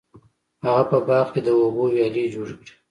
هغه په باغ کې د اوبو ویالې جوړې کړې.